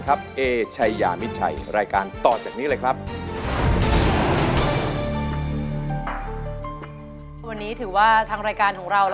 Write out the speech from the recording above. กับพิธีกรในรายการครับ